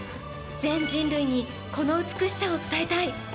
全人類にこの美しさを伝えたい。